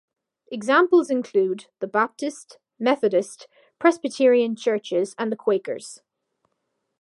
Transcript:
Examples include the Baptist, Methodist, Presbyterian churches and the Quakers.